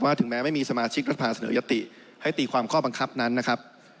ถึงแม้ไม่มีสมาชิกรัฐภาเสนอยติให้ตีความข้อบังคับนั้นนะครับ